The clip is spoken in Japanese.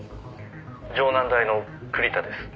「城南大の栗田です」